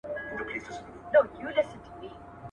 هغه وويل چي شګه مهمه ده!؟